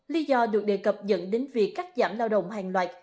lý do được đề cập dẫn đến việc cắt giảm lao động hàng loạt